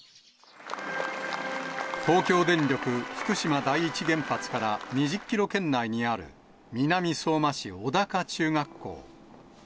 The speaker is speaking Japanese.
東京電力福島第一原発から２０キロ圏内にある南相馬市、小高中学校。